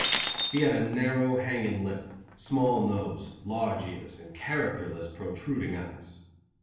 He had a narrow, hanging lip, small nose, large ears, and characterless, protruding eyes.